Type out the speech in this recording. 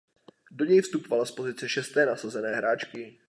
Do něj vstupovala z pozice šesté nasazené hráčky.